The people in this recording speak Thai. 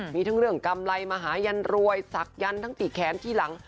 มีทั้งเรื่องกำไรมหายันรวยศักยันต์ทั้งที่แขนที่หลัง